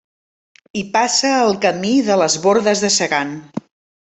Hi passa el Camí de les Bordes de Segan.